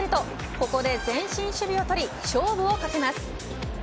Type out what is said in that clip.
これで前進守備を取り勝負をかけます。